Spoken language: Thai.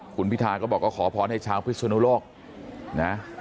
คุณพิธาก็บอกขอพรให้ชาวพฤษณโลกนะ